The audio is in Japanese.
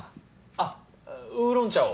あっウーロン茶を。